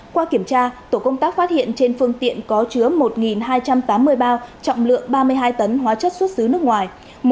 qua kiểm tra tổ công tác phát hiện trên phương tiện có chứa một hai trăm tám mươi bao trọng lượng ba mươi hai tấn hóa chất xuất xứ nước ngoài